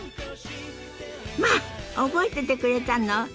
まあ覚えててくれたの！？